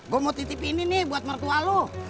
gue mau titip ini nih buat mertua lo